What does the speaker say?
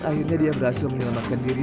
akhirnya dia berhasil menyelamatkan diri